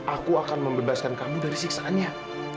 aku akan membebaskan kamu dari siksanya